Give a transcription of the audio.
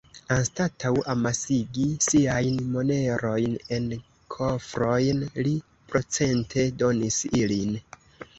Anstataŭ amasigi siajn monerojn en kofrojn, li procente-donis ilin.